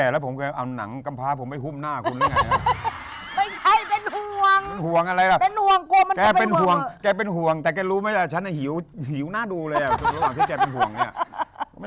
ทุกวันที่ป่ายังนอนอยู่บนรถอยู่ไหม